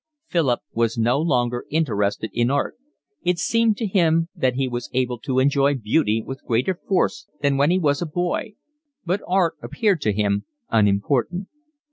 Philip was no longer interested in art; it seemed to him that he was able to enjoy beauty with greater force than when he was a boy; but art appeared to him unimportant.